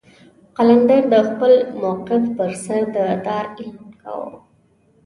قلندر د خپل موقف پر سر د دار اعلان کاوه.